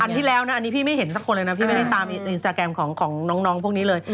ที่แล้วนะอันนี้พี่ไม่เห็นสักคนเลยนะพี่ไม่ได้ตามอินสตาแกรมของน้องพวกนี้เลย